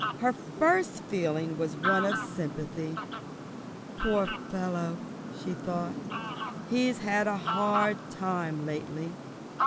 Her first feeling was one of sympathy. "Poor fellow," she thought, "he's had a hard time lately."